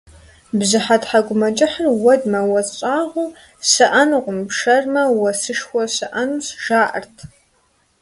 Бжьыхьэ тхьэкӀумэкӀыхьыр уэдмэ, уэс щӀагъуэ щыӀэнукъым, пшэрмэ, уэсышхуэ щыӀэнущ, жаӀэрт.